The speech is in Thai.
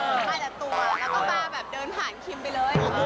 ให้ได้ตัวแล้วก็มาเดินผ่านคลิมไปเลย